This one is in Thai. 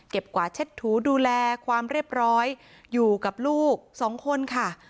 กวาดเช็ดถูดูแลความเรียบร้อยอยู่กับลูกสองคนค่ะ